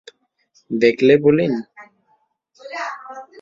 দেখলে, পলিন?